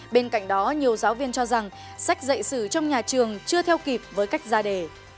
bên cạnh đó nhiều giáo viên cho rằng sách dạy sử trong nhà trường chưa theo kịp với cách ra đề